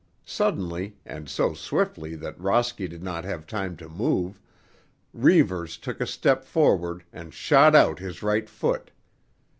Suddenly, and so swiftly that Rosky did not have time to move, Reivers took a step forward and shot out his right foot.